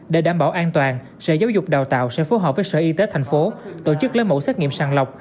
để đảm bảo an toàn sở giáo dục đào tạo sẽ phối hợp với sở y tế tp hcm tổ chức lấy mẫu xét nghiệm sàn lọc